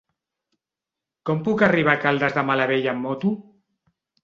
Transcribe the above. Com puc arribar a Caldes de Malavella amb moto?